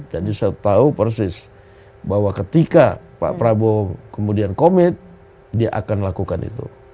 jadi saya tahu persis bahwa ketika pak prabowo kemudian komit dia akan lakukan itu